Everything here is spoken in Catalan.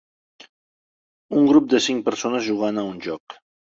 Un grup de cinc persones jugant a un joc.